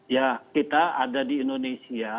ya kita ada di indonesia